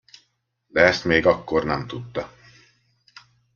De ezt még akkor nem tudta.